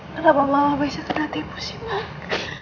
kenapa mama bisa kena tipu sih nen